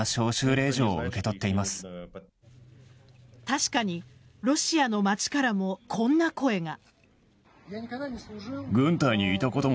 確かにロシアの街からもこんな声が。